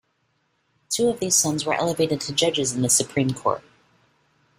Two of these sons were elevated to judges in the Supreme Court.